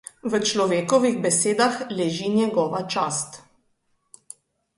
V človekovih besedah leži njegova čast.